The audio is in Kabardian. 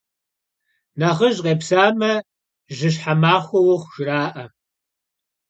Nexhıj khêpsame, «Jışhe maxue vuxhu!», – jjra'e.